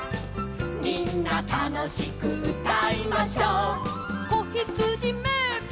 「みんなたのしくうたいましょ」「こひつじメエメエ」